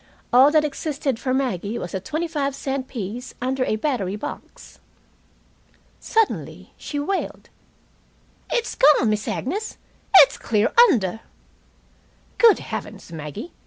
All that existed for Maggie was a twenty five cent piece under a battery box. Suddenly she wailed: "It's gone, Miss Agnes. It's clear under!" "Good heavens, Maggie!